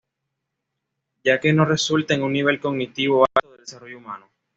Ya que no resulta en un nivel cognitivo alto del desarrollo humano.